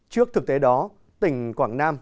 trước thực tế đó tỉnh quảng nam